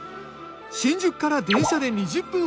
新宿から電車で２０分ほど。